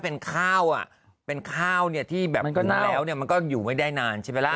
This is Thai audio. เป็นข้าวอ่ะเป็นข้าวเนี่ยที่แบบกินแล้วเนี่ยมันก็อยู่ไม่ได้นานใช่ไหมล่ะ